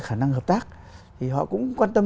khả năng hợp tác thì họ cũng quan tâm